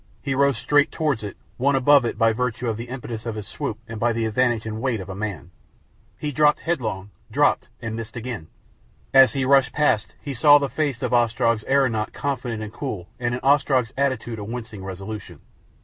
He rose straight towards it, won above it by virtue of the impetus of his swoop and by the advantage and weight of a man. He dropped headlong dropped and missed again! As he rushed past he saw the face of Ostrog's aeronaut confident and cool and in Ostrog's attitude a wincing resolution.